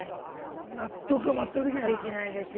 納得は全くできないですよ。